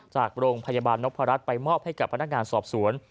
จากโรงพยาบาลนพรัชไปมอบให้กับพนักงานสอบสวน